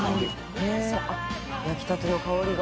焼きたての香りが。